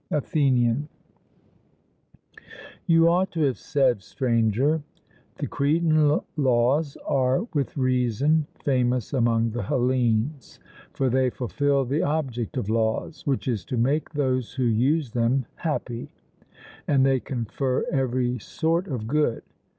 ATHENIAN: You ought to have said, Stranger The Cretan laws are with reason famous among the Hellenes; for they fulfil the object of laws, which is to make those who use them happy; and they confer every sort of good.